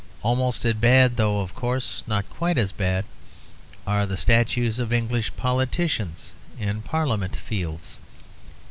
Almost as bad, though, of course, not quite as bad, are the statues of English politicians in Parliament Fields.